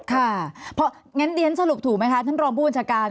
ค่ะเดี๋ยวฉันสรุปถูกไหมคะท่านรองผู้อุญชาการ